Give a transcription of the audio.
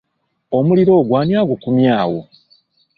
Omuliro ogwo ani agukumye awo?